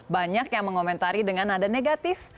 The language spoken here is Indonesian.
banyak yang mengomentari dengan nada negatif